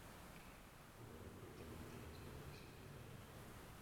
Jugando correctamente las negras siempre ganan el juego.